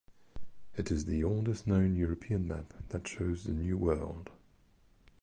It is the oldest known European map that shows the New World.